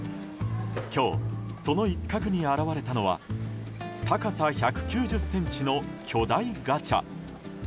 今日、その一角に現れたのは高さ１９０ｃｍの巨大ガチャ。